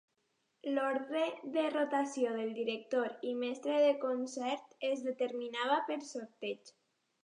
L'ordre de rotació del director i mestre de concert es determinava per sorteig.